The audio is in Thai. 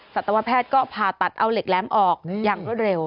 สัตวแพทย์ก็ผ่าตัดเอาเหล็กแหลมออกอย่างรวดเร็ว